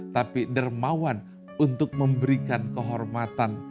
tapi dermawan untuk memberikan kehormatan